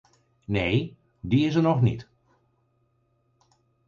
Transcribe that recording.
Nee, die is er nog niet!